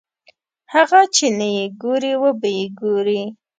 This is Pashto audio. هغه چې نه یې ګورې وبه یې ګورې.